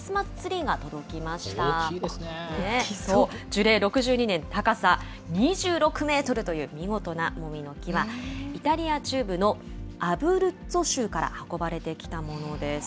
樹齢６２年、高さ２６メートルという見事なもみの木は、イタリア中部のアブルッツォ州から運ばれてきたものです。